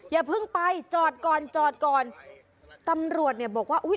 อย่าเพิ่งไปจอดก่อนจอดก่อนตำรวจเนี่ยบอกว่าอุ้ย